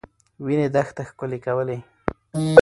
وینې دښته ښکلې کولې.